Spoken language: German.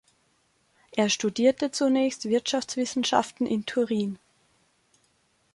Er studierte zunächst Wirtschaftswissenschaften in Turin.